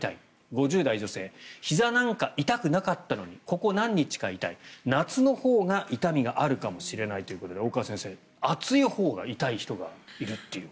５０代女性ひざなんか痛くなかったのにここ何日か痛い夏のほうが痛みがあるかもしれないということで大川先生、暑いほうが痛い人がいるという。